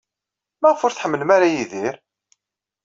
Maɣef ur tḥemmlem ara Yidir?